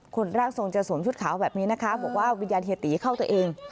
ร่างทรงจะสวมชุดขาวแบบนี้นะคะบอกว่าวิญญาณเฮียตีเข้าตัวเอง